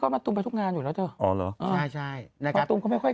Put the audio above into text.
ก็มะตูมไปทุกงานอยู่นะเถอะอ๋อเหรอใช่ใช่นะครับมะตูมก็ไม่ค่อย